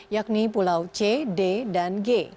yakni pulau c d dan g